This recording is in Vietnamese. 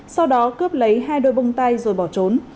sau đó cướp lấy hai đôi bông tai rồi bỏ trốn